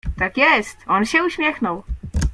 "Tak jest, on się uśmiechnął."